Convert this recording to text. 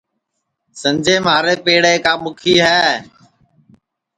سنجے مھارے پیڑا کا مُکھی ہے